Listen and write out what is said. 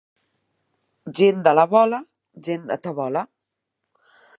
Gent de la Vola, gent de tabola.